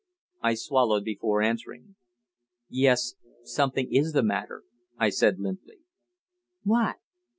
I swallowed before answering. "Yes something is the matter," I said limply. "What?"